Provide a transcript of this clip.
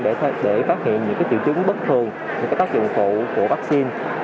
để phát hiện những triệu chứng bất thường những tác dụng phụ của vaccine